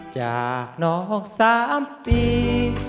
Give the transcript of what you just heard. จากนอกสามปี